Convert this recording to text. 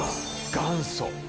元祖。